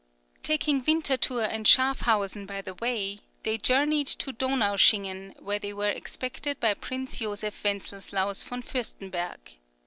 Taking Winterthur and Schafhausen by the way, they journeyed to Donaueschingen, where they were expected by Prince Joseph Wenzeslaus von Fürstenberg.